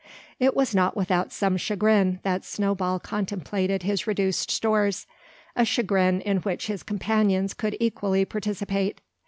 It was not without some chagrin that Snowball contemplated his reduced stores, a chagrin in which his companions could equally participate.